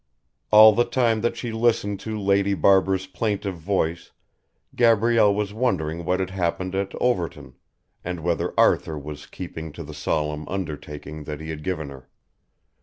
All the time that she listened to Lady Barbara's plaintive voice Gabrielle was wondering what had happened at Overton, and whether Arthur was keeping to the solemn undertaking that he had given her.